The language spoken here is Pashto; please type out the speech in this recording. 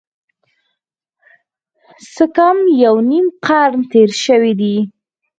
څه کم یو نیم قرن تېر شوی دی.